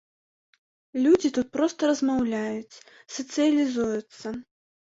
Людзі тут проста размаўляюць, сацыялізуюцца.